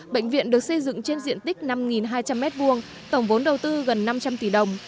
bệnh viện được xây dựng trên diện tích năm hai trăm linh m hai tổng vốn đầu tư gần năm trăm linh tỷ đồng